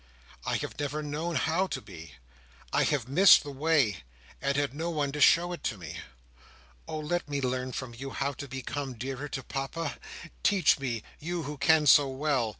I have never known how to be. I have missed the way, and had no one to show it to me. Oh, let me learn from you how to become dearer to Papa Teach me! you, who can so well!"